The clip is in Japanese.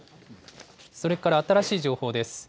それから新しい情報です。